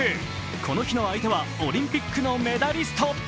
この日の相手はオリンピックのメダリスト。